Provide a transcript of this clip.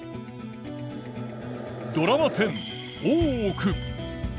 ドラマ１０「大奥」。